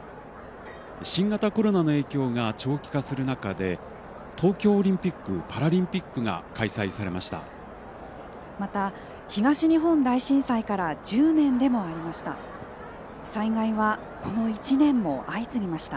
新型コロナの影響が長期化する中で東京オリンピック・パラリンピックが開催されました。